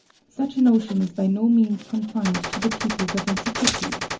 Such a notion is by no means confined to the peoples of antiquity.